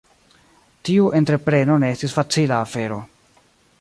Tiu entrepreno ne estis facila afero.